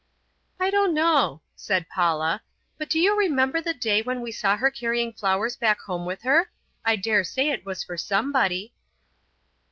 "I don't know," said Paula; "but do you remember the day when we saw her carrying flowers back home with her. I dare say it was for somebody."